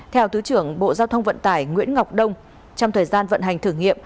theo thứ trưởng bộ giao thông vận tải nguyễn ngọc đông trong thời gian vận hành thử nghiệm